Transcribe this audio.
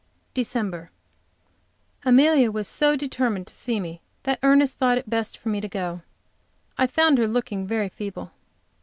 DECEMBER. Amelia was so determined to see me that Ernest thought it best for me to go. I found her looking very feeble.